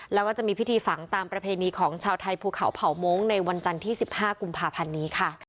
แล้วก็จะมีพิธีฝังตามประเพณีของชาวไทยภูเขาเผาม้งในวันจันทร์ที่๑๕กุมภาพันธ์นี้ค่ะ